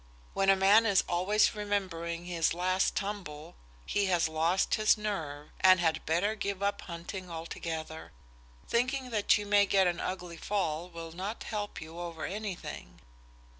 When a man is always remembering his last tumble he has lost his nerve, and had better give up hunting altogether. Thinking that you may get an ugly fall will not help you over anything."